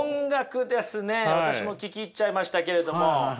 私も聴き入っちゃいましたけれども。